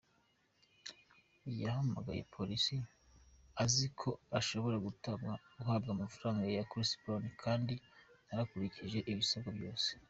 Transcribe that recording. Yahamagaye polisi azi ko ashobora guhabwa amafaranga ya Chris Brown, kandi narakurikije ibisabwa byose".